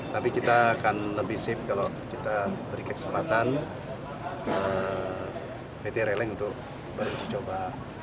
tapi kita akan lebih safe kalau kita beri kesempatan pt releng untuk beruji coba